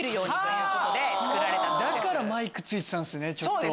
だからマイク付いてたんすね。